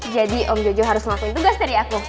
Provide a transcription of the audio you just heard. jadi om jojo harus ngelakuin tugas dari aku